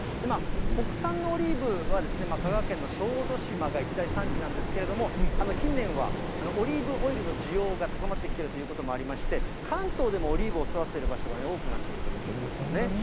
国産のオリーブは、香川県の小豆島が一大産地なんですけれども、近年は、オリーブオイルの需要が高まってきてるということもありまして、関東でもオリーブを育てている場所が多くなっているということなんですね。